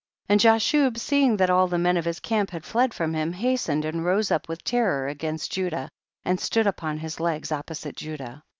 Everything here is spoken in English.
3(3. And Jashub seeing that all the men of his camp had fled from him, hastened and rose up with terror against Judah, and stood upon his legs opposite Judah.